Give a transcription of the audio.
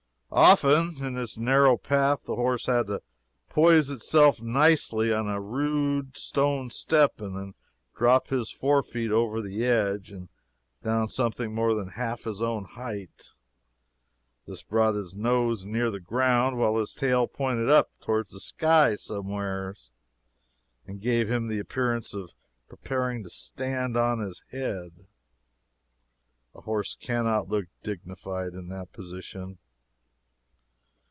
Often, in this narrow path the horse had to poise himself nicely on a rude stone step and then drop his fore feet over the edge and down something more than half his own height. This brought his nose near the ground, while his tail pointed up toward the sky somewhere, and gave him the appearance of preparing to stand on his head. A horse cannot look dignified in this position.